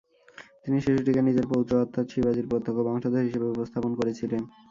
তিনি শিশুটিকে নিজের পৌত্র, অর্থাৎ শিবাজীর প্রত্যক্ষ বংশধর হিসেবে উপস্থাপন করেছিলেন।